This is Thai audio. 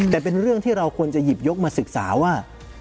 แต่เป็นเรื่องที่เราควรจะหยิบยกมาศึกษาว่า